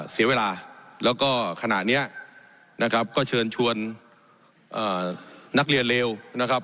เสียเวลาแล้วก็ขณะนี้นะครับก็เชิญชวนนักเรียนเลวนะครับ